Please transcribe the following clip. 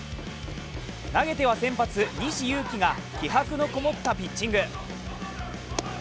投げては先発・西勇輝が気迫のこもったピッチング。